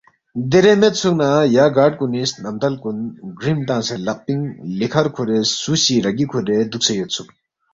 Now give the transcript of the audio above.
دیرے میدسُوکنا یا گارڈ کُنی سنمدل کُن گرِم تنگسے لقپِنگ لیکھر کُھورے سُو سی رَگی کُھورے دُوکسے یودسُوک